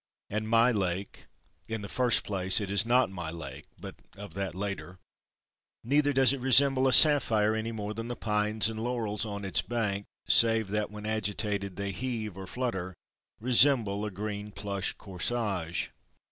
And my Lake—in the first place it is not my Lake (but of that later), neither does it resemble a sapphire any more than the Pines and Laurels on its bank (save that when agitated they heave or flutter) resemble a green plush corsage.